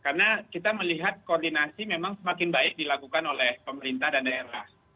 karena kita melihat koordinasi memang semakin baik dilakukan oleh pemerintah dan daerah